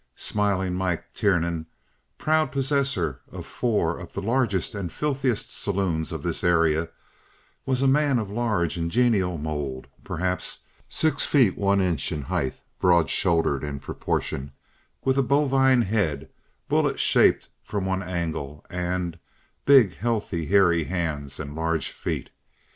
"Smiling" Mike Tiernan, proud possessor of four of the largest and filthiest saloons of this area, was a man of large and genial mold—perhaps six feet one inch in height, broad shouldered in proportion, with a bovine head, bullet shaped from one angle, and big, healthy, hairy hands and large feet.